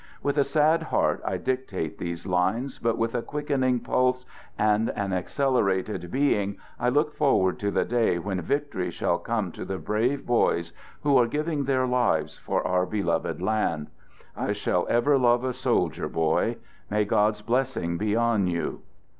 With a sad heart I dictate these lines, but with a quickening pulse and an accelerated being I look forward to the day when victory shall come to the brave boys who are giving their lives for our beloved land. I shall ever love a soldier boy. May God's blessing be on you